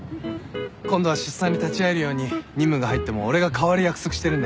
今度は出産に立ち会えるように任務が入っても俺が代わる約束してるんで。